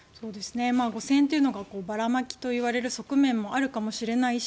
５０００円というのがばらまきといわれる側面もあるかもしれないし